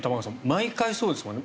毎回そうですもんね。